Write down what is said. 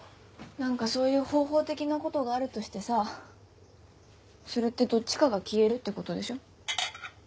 何かそういう方法的なことがあるとしてさそれってどっちかが消えるってことでしょ？